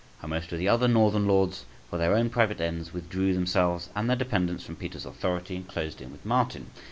How most of the other Northern lords, for their own private ends, withdrew themselves and their dependants from Peter's authority, and closed in with Martin.